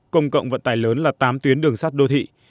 công cộng vận tài lớn là tám tuyến đường sát đô thị